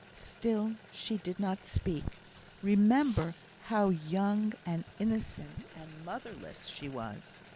Still she did not speak. Remember how young, and innocent, and motherless she was!